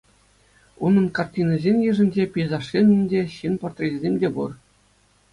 Унӑн картинисен йышӗнче пейзажсем те, ҫын портречӗсем те пур.